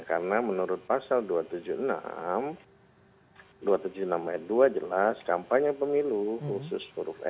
karena menurut pasal dua ratus tujuh puluh enam dua ratus tujuh puluh enam dua jelas kampanye pemilu khusus huruf f